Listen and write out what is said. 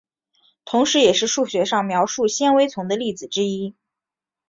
同时也是数学上描绘纤维丛的例子之一。